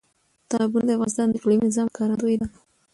تالابونه د افغانستان د اقلیمي نظام ښکارندوی ده.